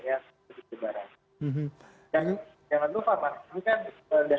ini saatnya mereka mendapatkan keberkatan kembali